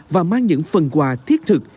và mang những phần quà thiết thực